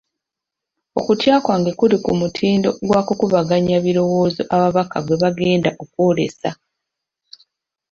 Okutya kwange kuli ku mutindo gwa kukubaganya birowoozo ababaka gwe bagenda okwolesa.